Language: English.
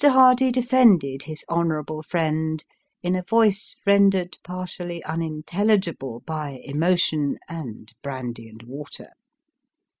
Hardy defended his honourable friend, in a voice rendered partially unintelligible by emotion and brandy and water.